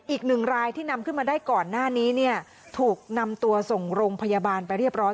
อีกหนึ่งรายที่นำขึ้นมาได้ก่อนหน้านี้เนี่ยถูกนำตัวส่งโรงพยาบาลไปเรียบร้อย